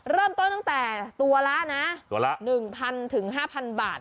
เริ่มต้นตั้งแต่ตัวละนะตัวละ๑๐๐ถึง๕๐๐บาท